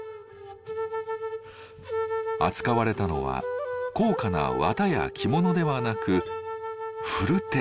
扱われたのは高価な綿や着物ではなく古手。